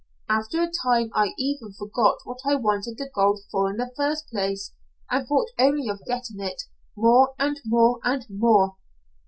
After a time I even forgot what I wanted the gold for in the first place, and thought only of getting it, more and more and more.